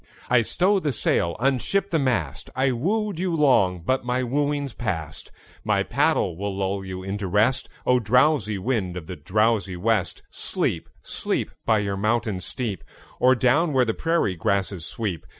I stow the sail, unship the mast: I wooed you long but my wooing's past; My paddle will lull you into rest. O! drowsy wind of the drowsy west, Sleep, sleep, By your mountain steep, Or down where the prairie grasses sweep!